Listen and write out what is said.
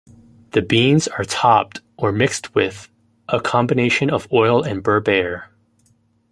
The beans are topped, or mixed with, a combination of oil and "berbere".